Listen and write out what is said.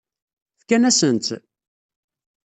Fkan-asen-tt?